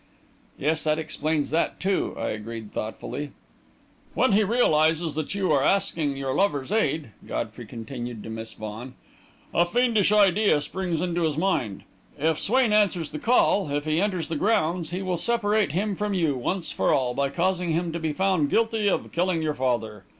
"Yes; that explains that, too," I agreed thoughtfully. "When he realises that you are asking your lover's aid," Godfrey continued to Miss Vaughan, "a fiendish idea springs into his mind. If Swain answers the call, if he enters the grounds, he will separate him from you once for all by causing him to be found guilty of killing your father.